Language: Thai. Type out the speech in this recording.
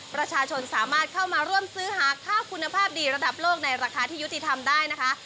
ประชาชนสามารถเข้ามาร่วมซื้อหาข้าวคุณภาพดีระดับโลกในราคาที่ยุติธรรมได้นะคะ